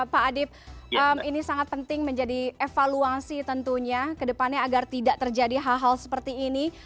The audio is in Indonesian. pak adip ini sangat penting menjadi evaluasi tentunya ke depannya agar tidak terjadi hal hal seperti ini